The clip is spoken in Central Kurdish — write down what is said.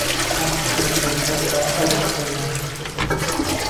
کام شیعرت پێ خۆشە ئەوە بخوێنەوە